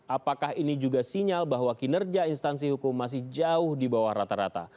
apakah ini juga sinyal bahwa kinerja instansi hukum masih jauh di bawah rata rata